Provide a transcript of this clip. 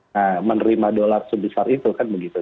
nah menerima dolar sebesar itu kan begitu